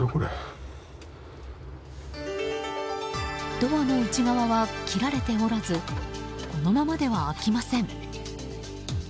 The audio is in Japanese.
ドアの内側は切られておらずこのままでは開きません。